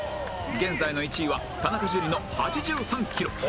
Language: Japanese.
現在の１位は田中樹の８３キロ